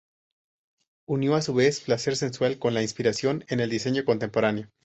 Unió a su vez placer sensual con la inspiración en el diseño contemporáneo.